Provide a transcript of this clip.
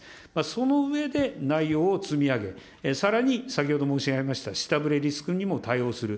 その上で、内容を積み上げ、さらに先ほど申し上げました下振れリスクにも対応する。